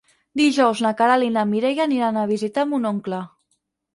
Dijous na Queralt i na Mireia aniran a visitar mon oncle.